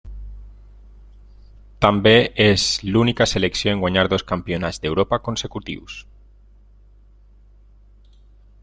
També és l'única selecció en guanyar dos Campionats d'Europa consecutius.